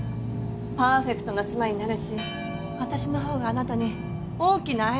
パーフェクトな妻になるし私の方があなたに大きな愛をあげられる。